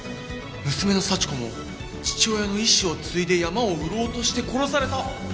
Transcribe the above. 娘の幸子も父親の遺志を継いで山を売ろうとして殺された？